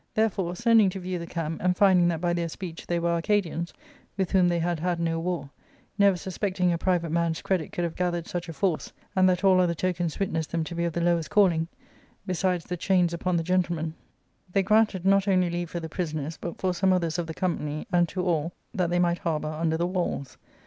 Therefore, sending to view the camp, and finding that by their speech they were Arcadians, with whom they had had no war, never suspecting a private man's credit could have gathered such a force, and that all other tokens witnessed them to be of the lowest calling, besides the ARCADIA,— Book L 35 chains upon the gentlemen, they granted not only leave for J the prisoners, but for some others of the compzmy, and to all, that they might harbour under the walls.